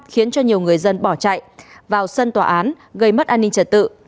khiến cho nhiều người dân bỏ chạy vào sân tòa án gây mất an ninh trật tự